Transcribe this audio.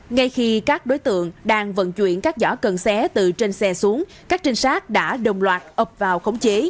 ngay khi các đối tượng đang vận chuyển các giỏ cần xé từ trên xe xuống các trinh sát đã đồng loạt ập vào khống chế